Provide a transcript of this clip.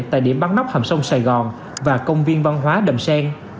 tại điểm bắn nóc hầm sông sài gòn và công viên văn hóa đầm sen